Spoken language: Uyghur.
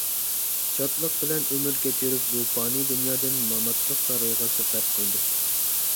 شادلىق بىلەن ئۆمۈر كەچۈرۈپ، بۇ پانىي دۇنيادىن ماماتلىق سارىيىغا سەپەر قىلدى.